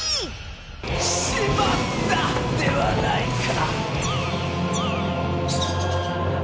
「しまった！」ではないか！